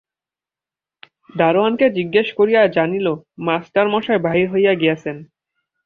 দরোয়ানকে জিজ্ঞাসা করিয়া জানিল, মাস্টারমশায় বাহির হইয়া গিয়াছেন।